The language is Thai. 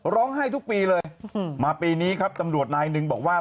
ร้องไห้ทุกปีเลยมาปีนี้ครับตำรวจนายหนึ่งบอกว่า